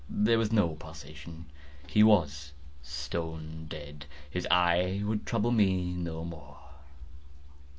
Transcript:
There was no pulsation. He was stone dead. His eye would trouble me no more.